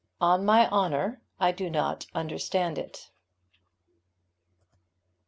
"ON MY HONOUR, I DO NOT UNDERSTAND IT."